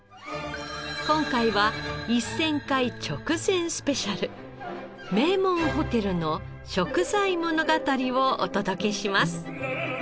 今回は１０００回直前スペシャル名門ホテルの食材物語をお届けします。